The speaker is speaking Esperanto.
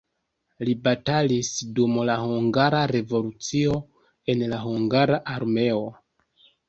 Li batalis dum la hungara revolucio en la hungara armeo.